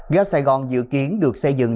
gà sài gòn dự kiến được xây dựng